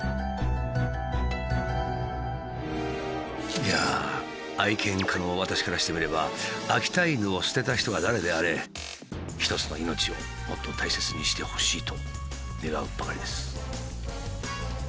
いやあ愛犬家の私からしてみれば秋田犬を捨てた人が誰であれ一つの命をもっと大切にしてほしいと願うばかりです。